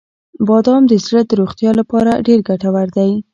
• بادام د زړه د روغتیا لپاره ډیره ګټور دی.